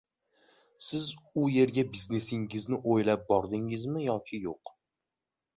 Siz u yerga biznesingizni oʻylab bordingizmi yoki yoʻq?